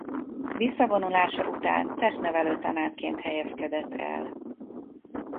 Visszavonulása után testnevelő tanárként helyezkedett el.